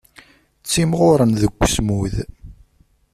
Ttimɣuren deg usmud.